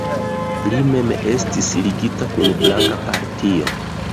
Li mem estis ligita kun blanka partio.